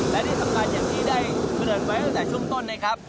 และที่ทำการอย่างนี้ได้เกิดเดินไว้ตั้งแต่ช่วงต้นนะครับ